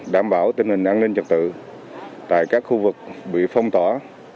đảm bảo tình hình an ninh trật tự tại các khu vực bị phong tỏa